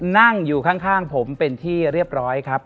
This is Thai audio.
นั่งอยู่ข้างผมเป็นที่เรียบร้อยครับ